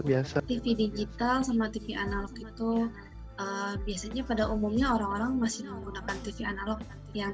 tv digital sama tv analog itu biasanya pada umumnya orang orang masih menggunakan tv analog